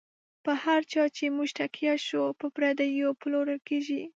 په هر چا چی موږ تکیه شو، په پردیو پلورل کیږی